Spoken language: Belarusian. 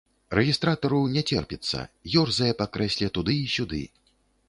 Рэгістратару не цярпіцца, ёрзае па крэсле туды і сюды.